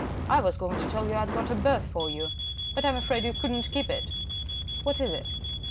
I was going to tell you I'd got a berth for you, but I'm afraid you could not keep it." "What is it?"